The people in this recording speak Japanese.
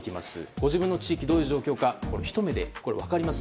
ご自分の地域がどういう状況かひと目で確認できます。